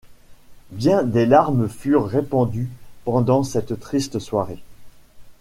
Bien des larmes furent répandues pendant cette triste soirée.